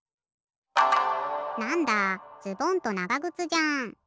なんだズボンとながぐつじゃん。